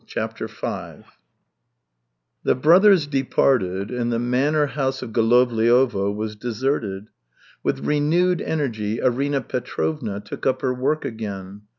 CHAPTER V The brothers departed, and the manor house of Golovliovo was deserted. With renewed energy, Arina Petrovna took up her work again.